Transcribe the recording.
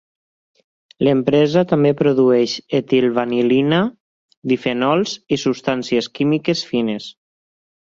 L'empresa també produeix etil vanil·lina, difenols i substàncies químiques fines.